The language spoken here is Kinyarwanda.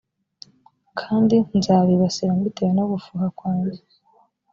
kandi nzabibasira mbitewe no gufuha kwanjye